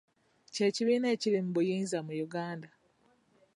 Kye kibiina ekiri mu buyinza mu Uganda